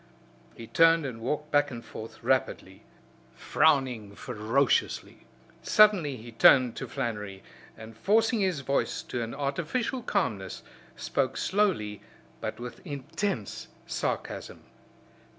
He turned and walked back and forth rapidly; frowning ferociously. Suddenly he turned to Flannery, and forcing his voice to an artificial calmness spoke slowly but with intense sarcasm.